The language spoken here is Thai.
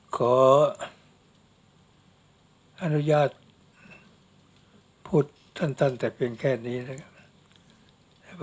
ขออนุญาตพูดสั้นแต่เพียงแค่นี้นะครับ